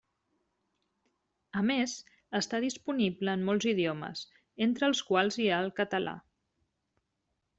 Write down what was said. A més, està disponible en molts idiomes, entre els quals hi ha el català.